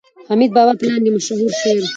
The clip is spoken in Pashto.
د حميد بابا په لاندې مشهور شعر